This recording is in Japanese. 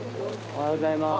おはようございます。